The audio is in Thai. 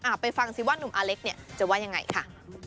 ไปฟังสิว่าหนุ่มอาเล็กเนี่ยจะว่ายังไงค่ะ